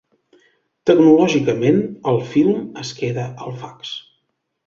Tecnològicament, el film es queda al fax.